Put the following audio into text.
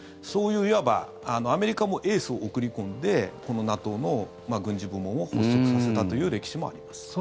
そういう、いわばアメリカもエースを送り込んでこのＮＡＴＯの軍事部門を発足させたという歴史もあります。